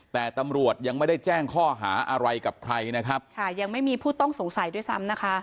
แต่ตำรวจยังไม่ได้แจ้งข้อหาอะไรกับใครนะครับค่ะยังไม่มีผู้ต้องสงสัยด้วยซ้ำนะคะ